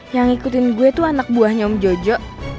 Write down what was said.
yang ngikutin gue itu anak buahnya om jojo